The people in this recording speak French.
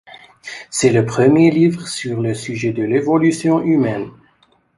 C'est le premier livre sur le sujet de l’évolution humaine.